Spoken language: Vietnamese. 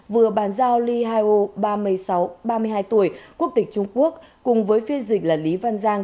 vừa bàn giao ly hai o ba mươi sáu ba mươi hai tuổi quốc tịch trung quốc cùng với phiên dịch là lý văn giang